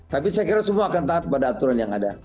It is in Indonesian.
tapi saya kira semua akan taat pada aturan yang ada